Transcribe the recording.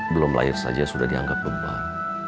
belum lahir saja sudah dianggap beban